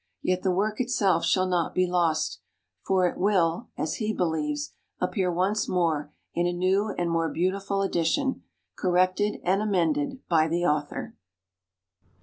Yet the work itself shall not be lost, For it will (as he believes) appear once more In a new And more beautiful Edition Corrected and Amended By The Author.